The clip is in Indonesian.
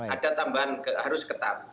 ada tambahan harus ketat